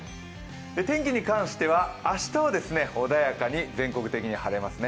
天気に関しては、明日は穏やかに全国的に晴れますね。